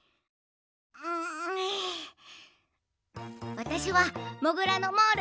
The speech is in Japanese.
わたしはモグラのモール。